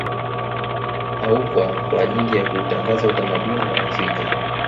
Haukwa kwa ajili ya kuutangaza utamaduni wa Afrika